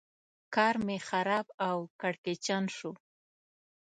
کار مې خراب او کړکېچن شو.